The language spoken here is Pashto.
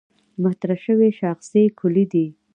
مطرح شوې شاخصې کُلي دي.